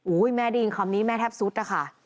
อุ้ยแม่ได้ยินคำนี้แม่แทบสุดค่ะ